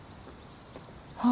あ